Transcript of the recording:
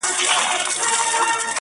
هر څه چي راپېښ ســولـــــه~